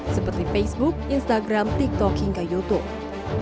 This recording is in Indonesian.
seperti facebook instagram tiktok hingga youtube